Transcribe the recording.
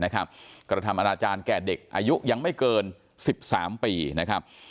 กระทำอนาจารย์แก่เด็กอายุยังไม่เกิน๑๓ปีนะครับ